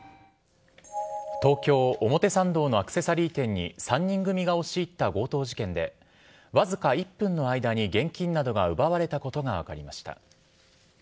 東京・表参道のアクセサリー店に、３人組が押し入った強盗事件で、僅か１分の間に現金などが奪われたことが分かりました。